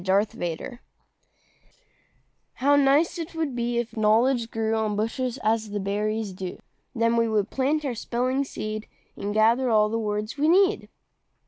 EASY KNOWLEDGE How nice 'twould be if knowledge grew On bushes, as the berries do! Then we could plant our spelling seed, And gather all the words we need.